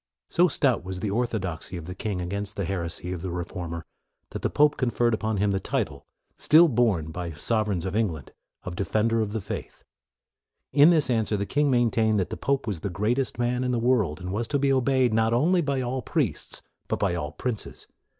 So stout was the orthodoxy of the king against the heresy of the re former, that the pope conferred upon him the title, still borne by sovereigns of Eng land, of Defender of the Faith. In this answer the king maintained that the pope was the greatest man in the world, and was to be obeyed, not only by all priests, but by all princes.